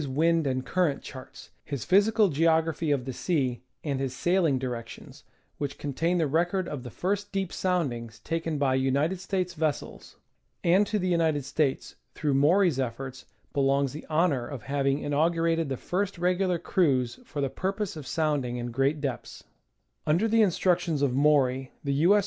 An epoch in the progress of this science is marked by the ap pearance of Maury's Wind and Current Charts, his Physical Geography of the Sea, and his Sailing Directions, which contain the record of the first deep soundings taken by United States ves sels ; and to the United States, through Maury's efforts, belongs the honor of having inaugurated the first regular cruise for the purpose of sounding in great depths. Under the instructions of Maury the U. S.